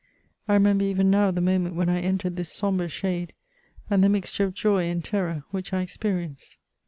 I remember even now the moment when I entered this sombre shade, and the mixture of joy and terror which I experienced.